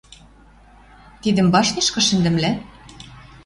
Тидӹм башньышкы шӹндӹмлӓ?